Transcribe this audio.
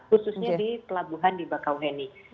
khususnya di pelabuhan di bakau heni